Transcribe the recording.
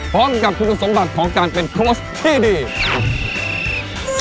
พร้อมกับคุณสมบัติของการเป็นโค้ชที่ดี